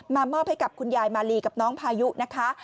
มอบให้กับคุณยายมาลีกับน้องพายุนะคะ